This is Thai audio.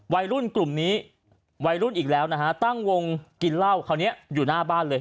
วัยรุ่นกลุ่มนี้วัยรุ่นอีกแล้วนะฮะตั้งวงกินเหล้าคราวนี้อยู่หน้าบ้านเลย